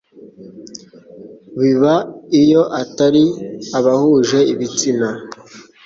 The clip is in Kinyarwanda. biba iyo atari abahuje ibitsina